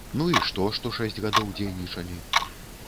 Ну і што, што шэсць гадоў дзейнічалі?